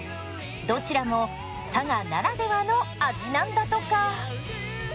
どちらも佐賀ならではの味なんだとか！